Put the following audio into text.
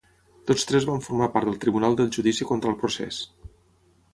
Tots tres van formar part del tribunal del judici contra el procés.